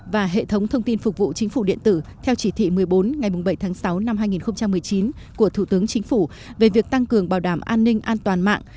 và hệ thống thông tin phục vụ chính phủ điện tử theo chỉ thị một mươi bốn ngày bảy tháng sáu năm hai nghìn một mươi chín của thủ tướng chính phủ về việc tăng cường bảo đảm an ninh an toàn mạng